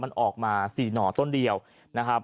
มันออกมา๔หน่อต้นเดียวนะครับ